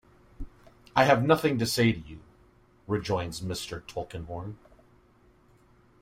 "I have nothing to say to you," rejoins Mr. Tulkinghorn.